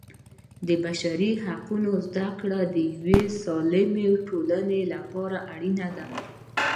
د بشري حقونو زده کړه د یوې سالمې ټولنې لپاره اړینه ده.